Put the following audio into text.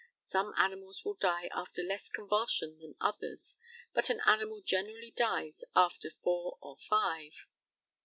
Some animals will die after less convulsion than others, but an animal generally dies after four or five.